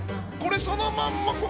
これそのまんま